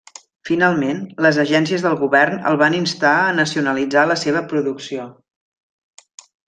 Finalment, les agències del govern el van instar a nacionalitzar la seva producció.